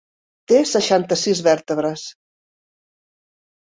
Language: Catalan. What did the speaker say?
Té seixanta-sis vèrtebres.